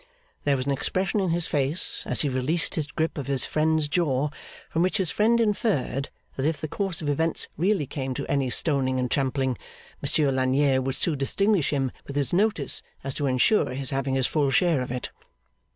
There was an expression in his face as he released his grip of his friend's jaw, from which his friend inferred that if the course of events really came to any stoning and trampling, Monsieur Lagnier would so distinguish him with his notice as to ensure his having his full share of it.